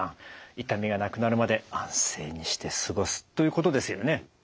「痛みがなくなるまで安静にして過ごす」ということですよね？